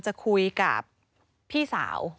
จะคุยกับพี่สาว